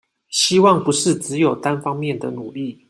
希望不是只有單方面的努力